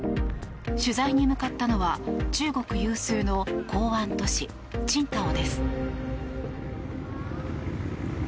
取材に向かったのは中国有数の港湾都市・青島です。